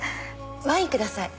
ワインください。